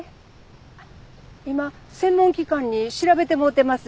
あっ今専門機関に調べてもろてます。